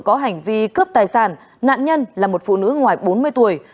có hành vi cướp tài sản nạn nhân là một phụ nữ ngoài bốn mươi tuổi